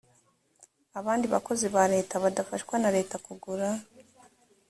abandi bakozi ba leta badafashwa na leta kugura